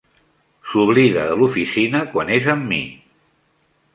S'oblida de l'oficina quan és amb mi.